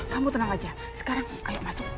kamu tenang aja sekarang ayo masuk